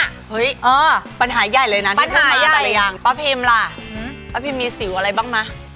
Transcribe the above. เฮ้ยเออปัญหาใหญ่เลยน่ะปัญหาใหญ่ป้าพิมล่ะหือป้าพิมมีสิวอะไรบ้างมั้ย